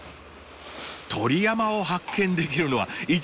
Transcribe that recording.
鳥山を発見できるのは１日に数回。